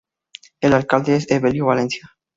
El alcalde es Evelio Valencia.